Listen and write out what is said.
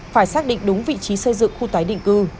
phải xác định đúng vị trí xây dựng khu tái định cư